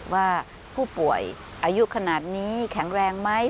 ว่าผู้ป่วยอายุขนาดนี้แข็งแรงไหม